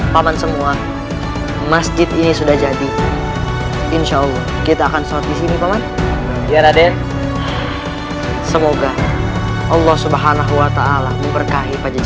paman semua masjid ini sudah jadi insya allah kita akan certified ini bapak vera internally semoga allah swt allah memperkahi saja